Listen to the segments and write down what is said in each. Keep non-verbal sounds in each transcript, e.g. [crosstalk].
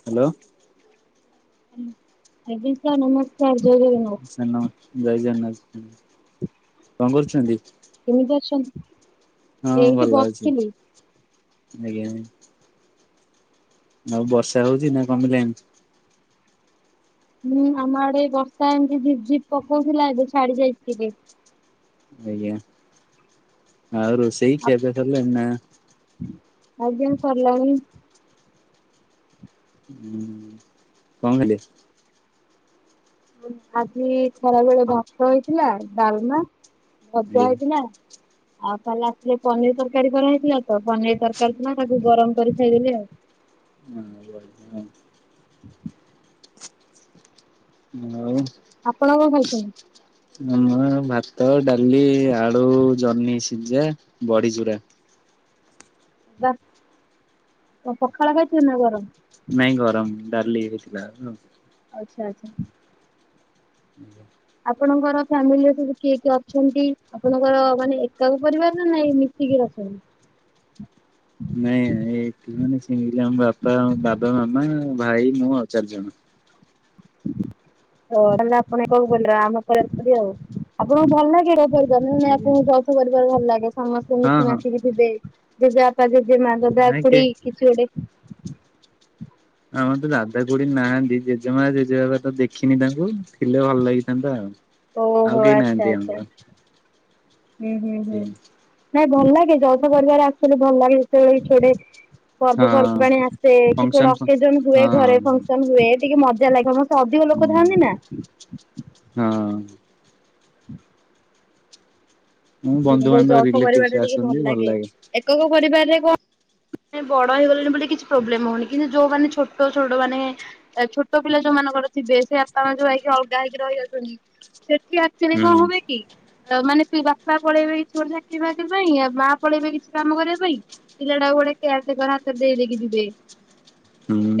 Hello ଆଜ୍ଞା sir ନମସ୍କାର ଜୟ ଜଗନ୍ନାଥ। ସାର୍ ନ ଜୟ ଜଗନ୍ନାଥ କଣ କରୁଛନ୍ତି? କେମିତି ଅଛନ୍ତି? ହଁ ଏଇଠି ଭଲ ଅଛି ବସିଥିଲି। ଆଜ୍ଞା ନା ଆଉ ବର୍ଷା ହଉଛି ନା କମିଲାଣି ହୁଁ ଆମ ଆଡେ ବର୍ଷା ଏମିତି ଝିପ୍ ଝିପ୍ ପକଉଥିଲା ଏବେ ଛାଡି ଯାଇଛି ଟିକେ। ଆଜ୍ଞା ଆଉ ରୋଷେଇ ଖିଆପିଆ ସରିଲାଣି ନା ଆଜ୍ଞା ସରିଲାଣିି। ହୁଁ କଣ ଖାଇଲେ? ଆଜି ଖରା ବେଳେ ଭାତ ହେଇଥିଲା ଡାଲମା ଭଜା ଆଜ୍ଞା। ହେଇଥିଲା। ଆଉ ଖାଲି ଆସିଲେ ପନିର ତରକାରୀ କରା ହେଇଥିଲା। ତ ପନିର ତରକାରୀ ଥିଲା। ତାକୁ ଗରମ କରି ଖାଇଦେଲି ଆଉ ହଁ ଆଉ ଆପଣ କ'ଣ ଖାଉଛନ୍ତି? ଆମ ଭାତ, ଡାଲି, ଆଳୁ ଜହ୍ନି, ସିଝା ବଢି ଚୁରା ବା ପଖାଳ ଖାଇଥିବେ ନା ଗରମ ମାଇ ଗରମ ଡାଲି ହେଇଥିଲା। ଆଚ୍ଛା ଆଚ୍ଛା ନିଜ ଆପଣଙ୍କର ଫ୍ୟାମିଲିରେ ସବୁ କିଏ କିଏ ଅଛନ୍ତି? ଆପଣଙ୍କର ମାନେ ଏକାକ ପରିବାର ନା ନାଇଁ [inaudible] ନାଇଁ ଏଇ ମାନେ ସି ଆମ ବାପା ବାବା ମାମା ଭାଇ ମୁଁ ଆଉ ଚାରିଜଣ। ତ ତାେଲେ ଆପଣ କ'ଣ ଆମ ଆଉ ଆପଣଙ୍କୁ ଭଲ ଲାଗିବ ଆଜ୍ଞା ଆପଣ ଭଲ ଲାଗେ ସମସ୍ତେ ହଁ ମିଶି ହଁ ମାସିକି ଥିବେ। ଜେଜେ ବାପା ଜେଜେମା ଜଜା ନାଇଁ କେ କଡି [inaudible] ଆମର ତ ଦାଦା କୁଡି ନାହାନ୍ତି। ଜେଜେମା ଜେଜେବାବା ତ ଦେଖିନି ତାଙ୍କୁ ଥିଲେ ଭଲ ଲାଗିଥାନ୍ତା ଆଉ। ଆଉ ଓହୋ କେହି ଆଚ୍ଛା ନାହାନ୍ତି ଆଛା ଆମର ହୁଁ ହୁଁ ହୁଁ ନାଇଁ ଭଲ ଲାଗେ ଯଶ କରିବାରେ ଆସିଲେ ଭଲ ଲାଗେ ଯେତେବେଳେ ଛଡେ। ହଁ ପର୍ବପର୍ବାଣି ଆସେ କିଛି ଫଙ୍କସନ ଗୋଟେ ହଁ ଅକେଜନ ହୁଏ। ହଁ ଘରେ ଫଙ୍କସନ ହୁଏ ଟିକେ ମଜା ଲାଗେ। ଅଧିକ ଲୋକ ଥାଆନ୍ତି ନା। ହଁ ହୁଁ ହଁ ବନ୍ଧୁବାନ୍ଧବ ଯୌଥ ପରିବାର ରିଲେଟିଭସ୍ ଟା ଟିକେ ଭଲ ଆସନ୍ତି ଲାଗେ। ଏକକ ପରିବାରରେ କ'ଣ? ବଡ ହେଇଗଲେଣି ବୋଲି କିଛି ପ୍ରୋବ୍ଲେମ ହଉନି କିନ୍ତୁ ଯୋଉମାନେ ଛୋଟ ଛୋଟ ମାନେ ଛୋଟ ପିଲା ଯୋଉ ମାନଙ୍କର ଥିବେ ସେ ଆପଣ ଯୋଉକି ଅଲଗା ହେଇକି ରହିଆସଛନ୍ତି ସେଠି ସେରେ ହୁଁ କ'ଣ ହ କି ମାନେ ବା ବାପା ପଳେଇବେ କି ଛୋଟ ଚାକିରି ବା ପାଇଁ ଆଉ ମା ପଳେଇବେ କିଛି କାମ କରିବା ପାଇଁ ପିଲାଟାକୁ ଗୋଟେ କେୟାରର ହାତରେ ଦେଇଦକି ଯିବେ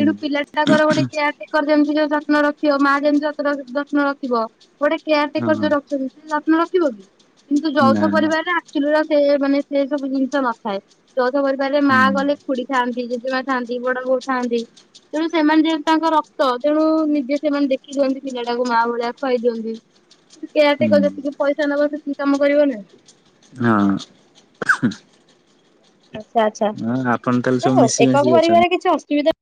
ତଣୁ ପିଲାଟାକର ଗୋଟେ କେୟାର ମା ଯେମିତି ଯୋଉ ଯତ୍ନ ରଖିବ ମା ଯେମିତି ଯତ୍ନ ରଖିବ ଗୋଟେ କେୟାର ହଁ ଟେକର ଯୋଉ ରଖୁଛନ୍ତି। ଯତ୍ନ ରଖିବ କି! କିନ୍ତୁ ନା ଯୌଥ ନା ପରିବାରରେ ଆଚୁଲି ର ସେ ମାନେ ସେ ସବୁ ଜିନିଷ ନଥାଏ ଯୌଥ ପରିବାରରେ ମା ହୁଁ ଗଲେ ଖୁଡି ଥାଆନ୍ତି। ଯେଜେମାାଇ ଥାଆନ୍ତି। ବଡ ବୋଉ ଥାନ୍ତି। ତେଣୁ ସେମାନେ ଯେହେତୁ ତାଙ୍କ ରକ୍ତ ତେଣୁ ନିଜେ ସେମାନେ ଦେଖି। ଦିଅନ୍ତି ପିଲାଟାକୁ ମା ଭଳିଆ ଖୁଆଇ ଦିଅନ୍ତି। କେୟାର ଟେକର ହୁଁ ଯେତିକି ପଇସା ନବା ସେତିକି କାମ କରିବନି। ହଁ ଆଚ୍ଛା ଆଚ୍ଛା ଆପଣ ତାହେଲେ ସବୁ ଆଉ ମିଶି ଏକକ ମାଶିକି ଅଛନ୍ତି। ପରିବାରରେ କିଛି ଅସୁବିଧା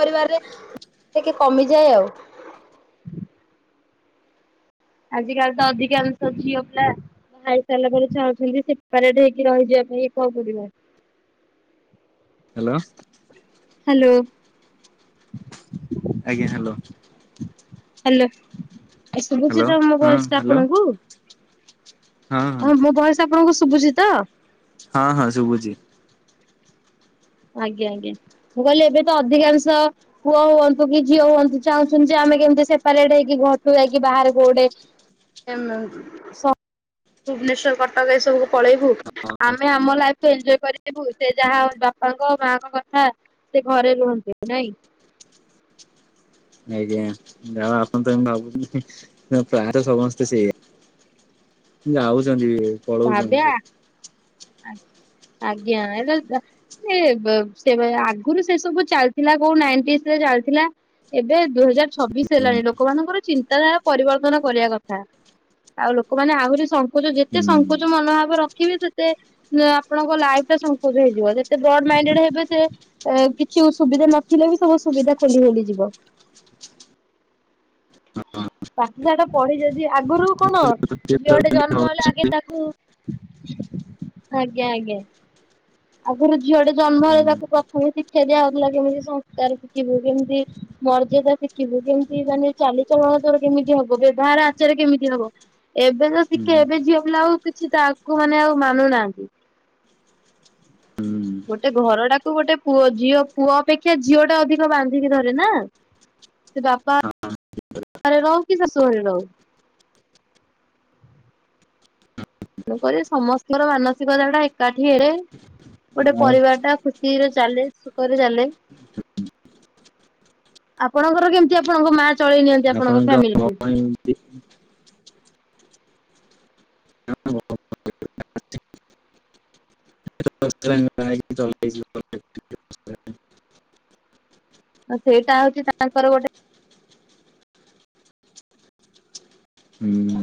ପରିବରେ ଟିକେ କମିଯାଏ ଆଉ। ଆଜି କାଲି ତ ଅଧିକାଂଶ ଝିଅ ପିଲ ଖାଇସାରିଲା ପରେ ଚାହୁଛନ୍ତି। ସେପାରେ ଟ ହେଇକି ରହିଯିବା ପାଇଁ ଏକକପରିବାର। ହ୍ୟାଲୋ ହ୍ୟାଲୋ ଆଜ୍ଞା ହ୍ୟାଲୋ ହ୍ୟାଲୋ ଆ ଶୁଭୁଛି ହ୍ୟାଲୋ ତ ମୋ ହଁ ଭଏସ ତ ହ୍ୟାଲୋ ଆପଣଙ୍କୁ ହଁ ହଁ ହ ମୋ ଭଏସ। ଆପଣଙ୍କ ଶଭୁଚିତ। ହଁ ହଁ ଶୁଭୁଛି। ଆଜ୍ଞା ଆଜ୍ଞା ମୁଁ କହିଲି ଏବେ ତ ଅଧିକାଂଶ ପୁଅ ହୁଅନ୍ତୁ କି ଝିଅ ହୁଅନ୍ତୁ ଚାହୁଛନ୍ତି। ଯେ ଆମେ କେମିତି ସେପାରେଟ ହେଇକି ଘଟୁକି ବାହାରେ କୋଉଟେ ଭୁବନେଶ୍ଵର କଟକ ଏସବୁକୁ ପଳେଇବୁ ଆମେ ଆମ ଲାଇଫୁ ଏନ୍ଜୟ କରିିବୁ ସେ ଯାହା ବାପାଙ୍କ ମାଙ୍କ କଥା ସେ ଘରେ ରୁହନ୍ତି ନାଇଁ? ଆଜ୍ଞା ଯହା ହଉ ଆପଣ ତ ଏମ ଭାବୁଚନ୍ତି ପ୍ରାୟତ ସମସ୍ତେ ସେଇଆ। ଯାଉଚନ୍ତି ଭାବ୍ୟା [inaudible] ଆଜ୍ଞା [unintelligible] ସେ ବ ସ ସେ ଆଗରୁ ସେ ସବୁ ଚାଲିଥିଲା କୋଉନାଇଟିସ ରେ ଚାଲିଥିଲା ଏବେ ଦୁଇ ହଜାର ଛବିଶ ହେଲାଣି ଲୋକମାନଙ୍କର ଚିନ୍ତାଧାରା ପରିବର୍ତ୍ତନ କରିବା କଥା ଆଉ ଲୋକମାନେ ଆହୁରି ସଂକୋଚ ଯେତେ ସଂକୋଚ ମନୋଭାବ ରଖିବେ ସେତେ [unintelligible] ଆପଣଙ୍କ ଲାଇଫ ଟା ସଂକୋଚ ଚ ହେଇଯିବ ଯେତେ ବ୍ରଡ ମାଇେଡ ହେବେ ସେ ଏ କିଛି ସୁବିଧା ନଥିଲେ ବି ସବୁ ସୁବିଧା ଖୋଲିହୋଲି ଯିବ ପାଠ ସାଠ ପଢି ଯଦି ଆଗରୁ କଣ ହୁଁ। ଝିଅଟେ ଜନ୍ମ ହେଲେ ଆଗେ ତାକୁ ଆଜ୍ଞା ଆଜ୍ଞା। ଆଗରୁ ଝିଅ ଟେ ଜନ୍ମ ହେଲେ ତାକୁ ପ୍ରଥମେ ଶିକ୍ଷା ଦିଆ ହଉଥିଲା କେମିତି ସଂସ୍କାର ଶିଖିବୁ କେମିତି ମର୍ଯ୍ୟାଦା ଶିଖିବୁ କେମିତି ମାନେ ଚାଲିଚଳଣ ତୋର କେମିତି ହବ ବ୍ୟବହାର ଆଚରେ କେମିତି ହବ। ଏବେ ତ ହୁଁ ଶିଖେ ଏବେ ଝିଅ ପିଲା ଆଉ କିଛି ତାକୁ ମାନେ ଆଉ ମାନୁନାହାନ୍ତି। ଗୋଟେ ଘରଟାକୁ ଗୋଟେ ପୁଅ ଝିଅ ପୁଅ ଅପେକ୍ଷା ଝିଅ ଟା ଅଧିକ ବାନ୍ଧିକି ଧରେ ନା? ସେ ବାପା ଘରେ ରହୁ କି ଶାଶୁ ଘରେ ରହୁ। ତେଣୁକରି ସମସ୍ତିଙ୍କର ମାନସିକତା ଟା ଏକାଠି ହେରେ ଗୋଟେ ପରିବାର ଟା ଖୁସିରେ ଚାଲେ ସୁଖରେ ଚାଲେ। ଆପଣଙ୍କର କେମିତି ଆପଣଙ୍କ ମା ଚଳେଇ ନିଅନ୍ତି ଆପଣଙ୍କ ଫ୍ୟାମିଲିକୁ? [unintelligible] [unintelligible] ସେଇଟା ହଉଚି ତାଙ୍କର ଗୋଟେ ହୁଁ।